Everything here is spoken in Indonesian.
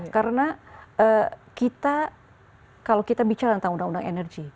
karena kita kalau kita bicara tentang undang undang energi